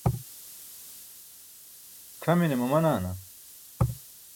c̣ʰamine mamanaana?